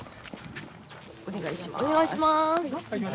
お願いします。